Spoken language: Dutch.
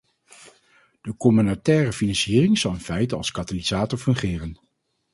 De communautaire financiering zal in feite als katalysator fungeren.